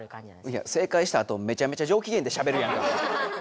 いや正解したあとめちゃめちゃ上きげんでしゃべるやんか。